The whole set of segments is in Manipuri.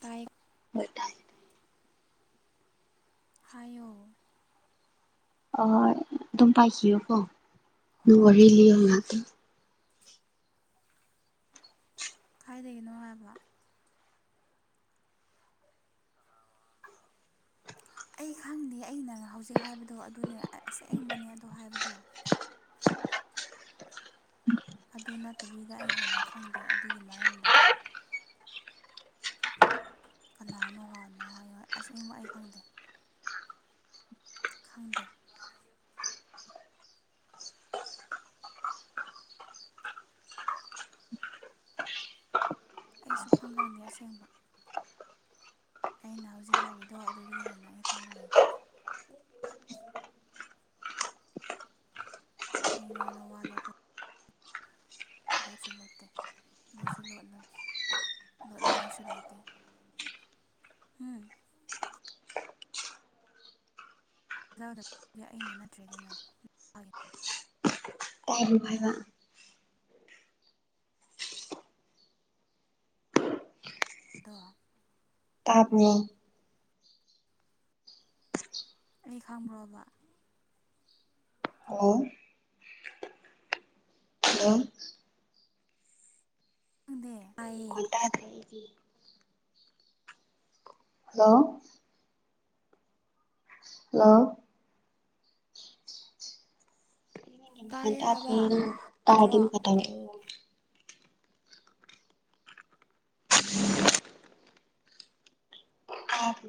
ꯇꯥꯏꯌꯦ ꯗꯥ ꯇꯥꯏ꯫ ꯍꯥꯏꯌꯣ ꯑꯍꯣꯢ ꯑꯗꯨꯝ ꯄꯥꯏꯈꯤꯌꯣꯀꯣ ꯑꯗꯨ ꯍꯣꯏ ꯋꯥꯔꯤ ꯂꯤꯌꯣ ꯉꯍꯥꯛꯇꯪ꯫ ꯀꯥꯏꯗꯒꯤꯅꯣ ꯍꯥꯏꯕ ꯑꯩ ꯈꯪꯗꯦ ꯑꯩꯅ ꯍꯧꯖꯤꯛ ꯍꯥꯏꯕꯗꯣ ꯑꯗꯨꯅꯦ ꯑꯁꯦꯡꯕꯅꯦ ꯑꯗꯣ ꯍꯥꯏꯕꯗꯣ꯫ ꯑꯗꯨ ꯅꯠꯇꯕꯤꯗ ꯑꯩ ꯍꯦꯟꯅ ꯈꯪꯗꯦ ꯑꯗꯨꯒꯤ ꯃꯔꯝꯗ꯫ ꯀꯅꯥꯅꯣ ꯍꯥꯟꯅ ꯍꯥꯏꯌꯣ ꯑꯁꯦꯡꯕ ꯑꯩ ꯈꯪꯗꯦ꯫ ꯈꯪꯗꯦ꯫ ꯑꯩ ꯁꯨꯈꯪ ꯈꯪꯗꯦ ꯑꯁꯦꯡꯕ꯫ ꯑꯩꯅ ꯍꯧꯖꯤꯛ ꯍꯥꯏꯔꯤꯗꯣ ꯑꯗꯨꯗꯒꯤ ꯍꯦꯟꯅ ꯑꯩ ꯈꯪꯕ ꯂꯩꯇꯦ꯫ ꯑꯩ ꯅꯉꯣꯟꯗ ꯋꯥ ꯂꯣꯠ ꯂꯣꯠꯁꯨ ꯂꯣꯠꯇꯦ ꯂꯣꯠꯁꯨ ꯂꯣꯠꯂꯣꯏ ꯂꯣꯠꯅꯤꯡꯉꯥꯏꯁꯨ ꯂꯩꯇꯦ꯫ ꯎꯝ [unintelligible] ꯑꯩꯅ ꯅꯠꯇ꯭ꯔꯦꯗꯅ꯫ ꯃꯥꯒꯤꯗꯣ [unintelligible] ꯗꯣ ꯇꯥꯕ꯭ꯔꯣ꯫ ꯑꯩ ꯈꯪꯕ꯭ꯔꯣ ꯃꯥ? ꯑꯣ꯫ ꯍꯂꯣ꯫ ꯑꯪꯗꯦ ꯇꯥꯢꯌꯦ꯫ ꯈꯣꯟ ꯇꯥꯗ꯭ꯔꯦ ꯑꯩꯗꯤ ꯍꯜꯂꯣ꯫ ꯍꯜꯂꯣ꯫ ꯇꯥꯏꯌꯦ ꯍꯥꯏꯕ ꯌꯥꯗ꯭ꯔꯣ [unintelligible]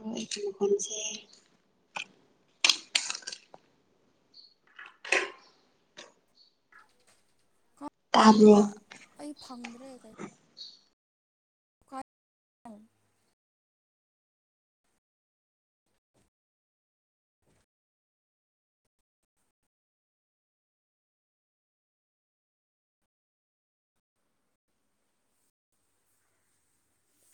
[unintelligible] ꯇꯥꯕ꯭ꯔꯣ ꯑꯩ ꯐꯪꯗ꯭ꯔꯦ [unintelligible]